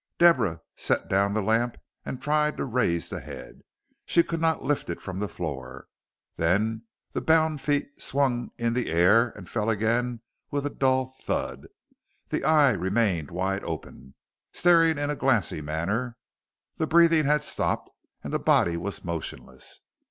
Deborah set down the lamp and tried to raise the head. She could not lift it from the floor. Then the bound feet swung in the air and fell again with a dull thud. The eye remained wide open, staring in a glassy, manner: the breathing had stopped: and the body was motionless.